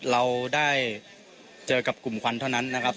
เราได้เจอกับกลุ่มควันเท่านั้นนะครับ